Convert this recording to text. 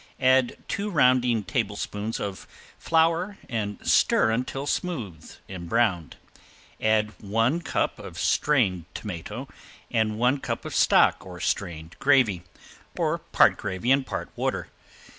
Add two rounding tablespoons of flour and stir until smooth and browned; add one cup of strained tomato and one cup of stock or strained gravy, or part gravy and part water.